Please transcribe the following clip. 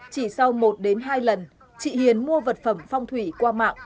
chỉ sau một đến hai lần chị hiền mua vật phẩm phong thủy qua mạng